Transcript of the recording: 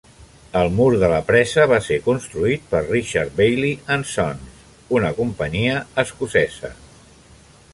El mur de la presa va ser construït per Richard Baillie and Sons, una companyia escocesa.